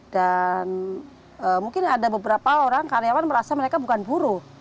dan mungkin ada beberapa orang karyawan merasa mereka bukan buruh